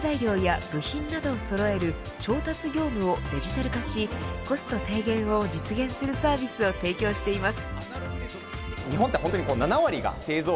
原材料や部品などをそろえる調達業務をデジタル化しコスト低減を実現するサービスを提供しています。